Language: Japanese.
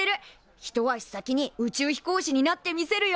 一足先に宇宙飛行士になってみせるよ。